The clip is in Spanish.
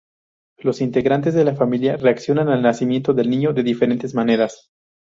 Los integrantes de la familia reaccionan al nacimiento del niño de diferentes maneras.